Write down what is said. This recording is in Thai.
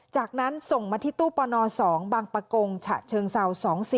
จากนั้นส่งมาที่ตู้ปน๒บางประกงฉะเชิงเศร้า๒๔